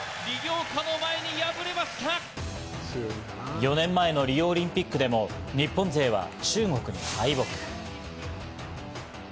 ４年前のリオオリンピックでも日本勢は中国に敗北。